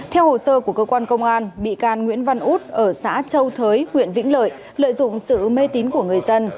theo hồ sơ của cơ quan công an bị can nguyễn văn út ở xã châu thới huyện vĩnh lợi lợi dụng sự mê tín của người dân